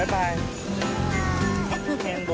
รักพี่ซวยม่าย